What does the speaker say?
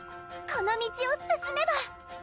この道を進めば。